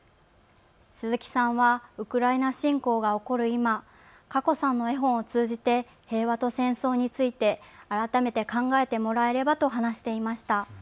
鈴木さんはウクライナ侵攻が起こる今、かこさんの絵本を通じて平和と戦争について改めて考えてもらえればと話していました。